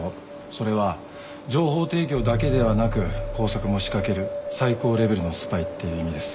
それは情報提供だけではなく工作も仕掛ける最高レベルのスパイっていう意味です。